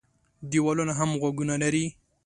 دېوالونه هم غوږونه لري.